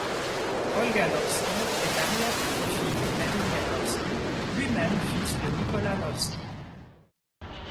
Olga Lossky est arrière petite fille de Vladimir Lossky, lui-même fils de Nicolas Lossky.